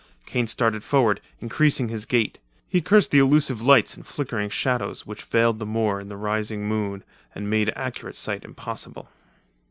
Kane started forward, increasing his gait. He cursed the illusive lights and flickering shadows which veiled the moor in the rising moon and made accurate sight impossible.